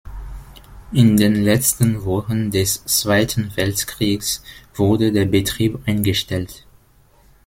In den letzten Wochen des Zweiten Weltkriegs wurde der Betrieb eingestellt.